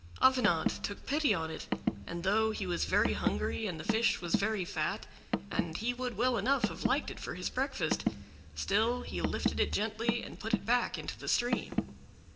Avenant took pity on it, and though he was very hungry, and the fish was very fat, and he would well enough have liked it for his breakfast, still he lifted it gently and put it back into the stream.